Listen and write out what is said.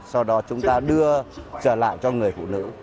sau đó chúng ta đưa trở lại cho người phụ nữ